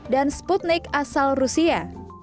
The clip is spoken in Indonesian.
dan sputnik asal rusia